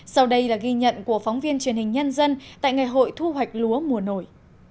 sau đây là ghi nhận của phóng viên truyền hình nhân dân tại ngày hội thu hoạch lúa mùa nổi